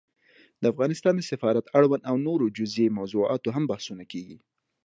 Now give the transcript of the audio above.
د افغانستان د سفارت اړوند او نورو جزيي موضوعاتو هم بحثونه کېږي